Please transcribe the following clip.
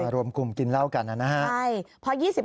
รวมกลุ่มกินเหล้ากันนะครับ